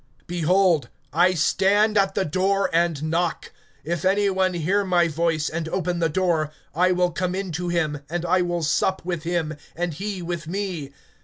(20)Behold, I stand at the door, and knock; if any one hear my voice, and open the door, I will come in to him, and I will sup with him and he with me.